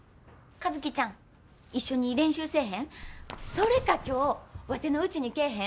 それか今日ワテのうちに来えへん？